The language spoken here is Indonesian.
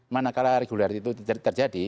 manakala regularity itu terjadi